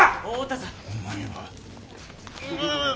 大田さん。